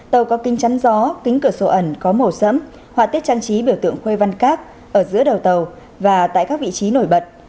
tàu có kinh chắn gió kính cửa sổ ẩn có màu sẫm họa tiết trang trí biểu tượng khuê văn các ở giữa đầu tàu và tại các vị trí nổi bật